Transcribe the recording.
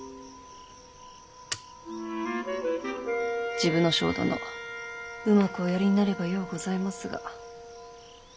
治部少輔殿うまくおやりになればようございますが。